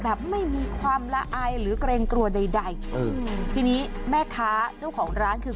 แบบไม่มีความละอายหรือเกรงกลัวใดใดอืมทีนี้แม่ค้าเจ้าของร้านคือ